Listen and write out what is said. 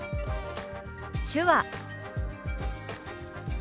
「手話」。